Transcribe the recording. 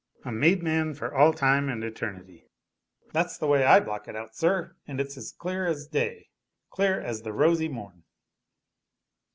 A made man for all time and eternity! That's the way I block it out, sir and it's as clear as day clear as the rosy morn!"